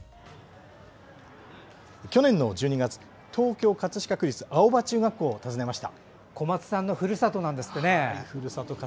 去年の１２月東京・葛飾区立青葉中学校を訪ねました。